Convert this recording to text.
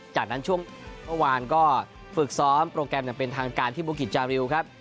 จากนั้นช่วงเมื่อวานก็ฝึกซ้อมโปรแกรมอย่างเป็นทางการที่บุกิจจาริวครับ